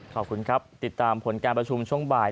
ขอบคุณครับติดตามผลการประชุมช่วงบ่าย